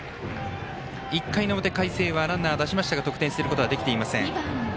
１回の表海星はランナーを出しましたが得点することができていません。